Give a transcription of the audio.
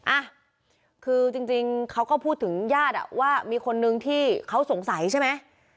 อ่ะคือจริงเขาก็พูดถึงญาติอ่ะว่ามีคนนึงที่เขาสงสัยใช่ไหม